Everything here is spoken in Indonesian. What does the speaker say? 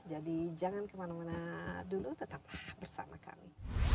jadi jangan kemana mana dulu tetap bersama kami